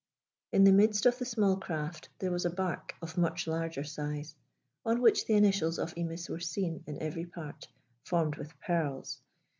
In the midst of the small craft, there was a barque of much larger size, on which the initials of Imis were seen in every part, formed with pearls.